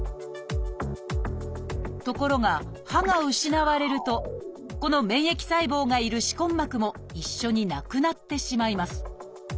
ところが歯が失われるとこの免疫細胞がいる歯根膜も一緒になくなってしまいます。